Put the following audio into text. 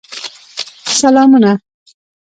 سلامونه.